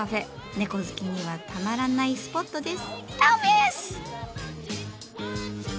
猫好きにはたまらないスポットです。